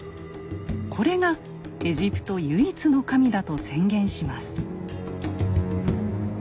これがエジプト唯一の神だと宣言します。